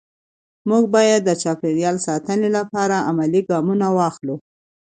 موږ باید د چاپېریال ساتنې لپاره عملي ګامونه واخلو